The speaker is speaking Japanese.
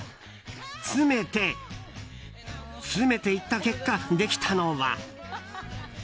詰めて、詰めていった結果できたのは。